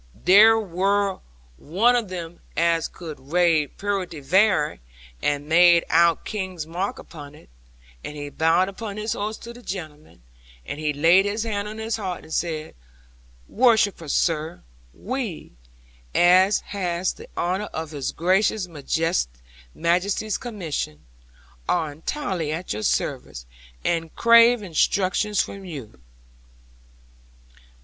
There wor one of 'em as could rade purty vair, and her made out King's mark upon it: and he bowed upon his horse to the gentleman, and he laid his hand on his heart and said, "Worshipful sir, we, as has the honour of His Gracious Majesty's commission, are entirely at your service, and crave instructions from you."